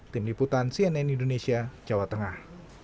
tim liputan cnn indonesia jawa tengah